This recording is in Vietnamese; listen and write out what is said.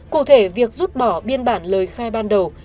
cụ thể việc rút bỏ biên bản lời khai ban đầu